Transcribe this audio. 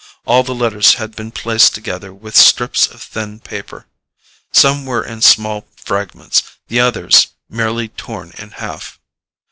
All the letters had been pieced together with strips of thin paper. Some were in small fragments, the others merely torn in half.